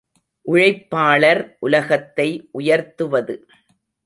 உழைப்பாளர் உலகத்தை உயர்த்துவது.